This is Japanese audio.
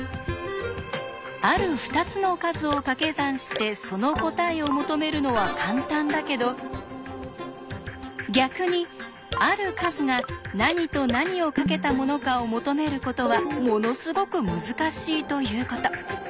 ある２つの数をかけ算してその答えを求めるのは簡単だけど逆にある数が何と何をかけたものかを求めることはものすごく難しいということ。